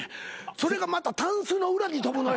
それがまたたんすの裏に飛ぶのよ。